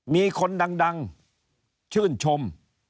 มีคนดังชื่นชม